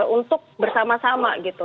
untuk bersama sama gitu